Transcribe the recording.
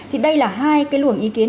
thì đây là hai cái luồng ý kiến